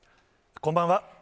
こんばんは。